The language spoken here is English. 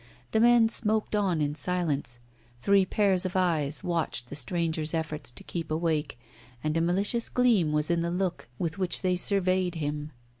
The men smoked on in silence. Three pairs of eyes watched the stranger's efforts to keep awake, and a malicious gleam was in the look with which they surveyed him.